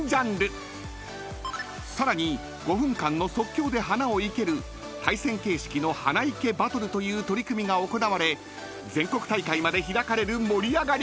［さらに５分間の即興で花を生ける対戦形式の花いけバトルという取り組みが行われ全国大会まで開かれる盛り上がりっぷり］